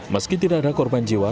meski tidak ada korban jiwa